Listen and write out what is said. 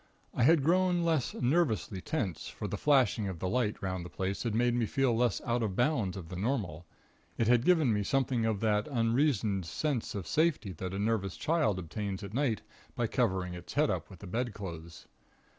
I had grown less nervously tense, for the flashing of the light 'round the place had made me feel less out of all bounds of the normal it had given me something of that unreasoned sense of safety that a nervous child obtains at night, by covering its head up with the bedclothes.